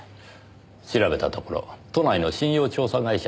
調べたところ都内の信用調査会社でした。